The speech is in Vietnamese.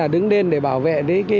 đứng lên để bảo vệ